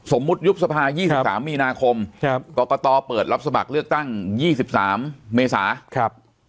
ยุบสภา๒๓มีนาคมกรกตเปิดรับสมัครเลือกตั้ง๒๓เมษาครับ